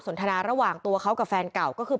นทนาระหว่างตัวเขากับแฟนเก่าก็คือ